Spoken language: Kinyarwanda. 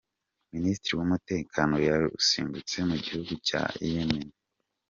Minisitiri w’umutekano yarusimbutse Mugihugu Cya Yemeni